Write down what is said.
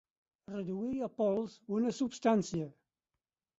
Reduir a pols una substància.